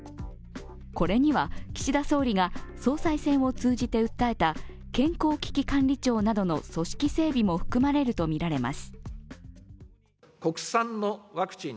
これには岸田総理が総裁選を通じて訴えた健康危機管理庁などの組織整備も含まれるとみられます。